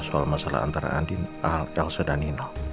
soal masalah antara andin elsa dan nino